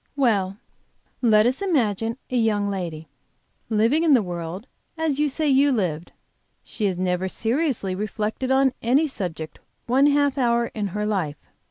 "Well, let us imagine a young lady, living in the world as you say you lived. She has never seriously reflected on any subject one half hour in her life.